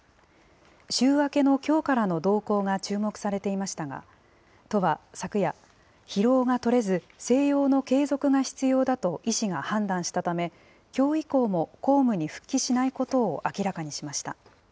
週明けのきょうからの動向が注目されていましたが、都は昨夜、疲労がとれず、静養の継続が必要だと医師が判断したため、きょう以降も公務に復帰しないことを明らかにしました。